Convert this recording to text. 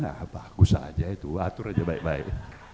nah bagus aja itu atur aja baik baik